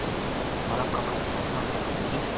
マラッカ海峡３５０隻。